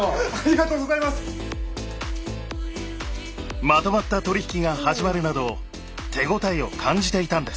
まとまった取り引きが始まるなど手応えを感じていたんです。